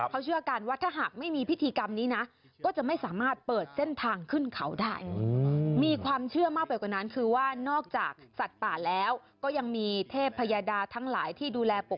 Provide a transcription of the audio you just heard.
เขาเชื่อกันว่าถ้าหากไม่มีพิธีกรรมนี้นะก็จะไม่สามารถเปิดเส้นทางขึ้นเขาได้